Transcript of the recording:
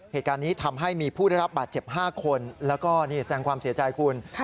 เหตุการณ์นี้ทำให้มีผู้ได้รับบาดเจ็บ๕คนแล้วก็นี่แสงความเสียใจคุณ